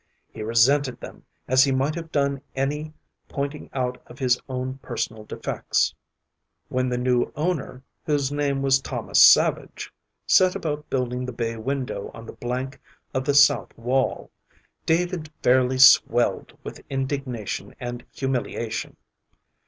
He resented them as he might have done any pointing out of his own personal defects. When the new owner, whose name was Thomas Savage, set about building the bay window on the blank of the south wall, David fairly swelled with indignation and humiliation.